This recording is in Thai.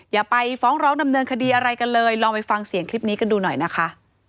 อย่าไปฟ้องร้องดำเนินคดีอะไรกันเลยลองไปฟังเสียงคลิปนี้กันดูหน่อยนะคะ